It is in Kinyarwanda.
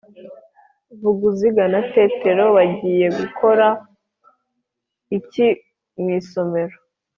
Vuguziga na Tetero bagiye gukora iki mu isomero?